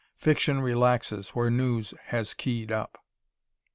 Fiction relaxes where "news" has keyed up.